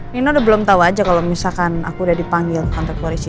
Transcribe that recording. nino udah belum tau aja kalo misalkan aku udah dipanggil kontak polisi